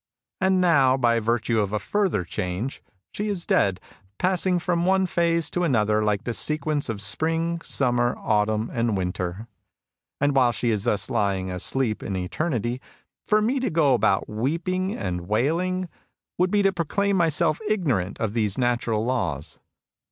And now, by virtue of a further change, she is dead, passing from one phase to another like the sequence of spring, summer, autumn and winter. And while she is thus lying asleep in Eternity, for me to go about weeping and wailing 1 For you asked me ?iow 1 knew. 112 MUSINGS OF A CHINESE MYSTIC would be to proclaim myself ignorant of these naturatl laws.